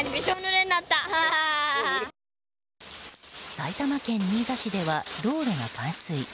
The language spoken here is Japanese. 埼玉県新座市では道路が冠水。